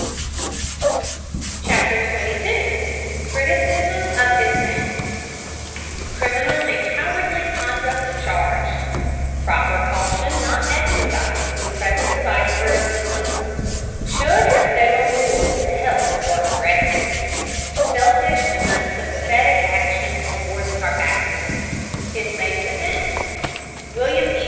CHAPTER XXII. CRITICISM OF ISMAY CRIMINAL AND COWARDLY CONDUCT CHARGED PROPER CAUTION NOT EXERCISED WHEN PRESENCE OF ICEBERGS WAS KNOWN SHOULD HAVE STAYED ON BOARD TO HELP IN WORK OF RESCUE SELFISH AND UNSYMPATHETIC ACTIONS ON BOARD THE CARPATHIA ISMAY'S DEFENSE WILLIAM E.